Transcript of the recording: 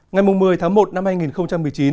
ngày một mươi tháng một năm hai nghìn một mươi chín